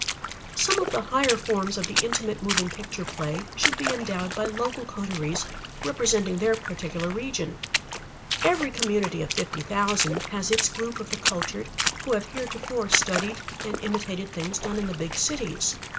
Some of the higher forms of the Intimate Moving Picture play should be endowed by local coteries representing their particular region. Every community of fifty thousand has its group of the cultured who have heretofore studied and imitated things done in the big cities.